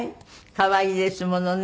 可愛いですものね！